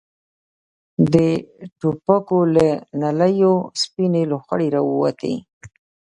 د ټوپکو له نليو سپينې لوخړې را ووتې.